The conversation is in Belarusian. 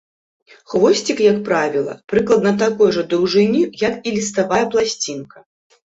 Хвосцік, як правіла, прыкладна такой жа даўжыні, як і ліставая пласцінка.